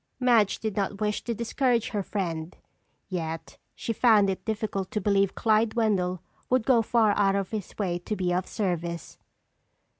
Madge did not wish to discourage her friend yet she found it difficult to believe Clyde Wendell would go far out of his way to be of service.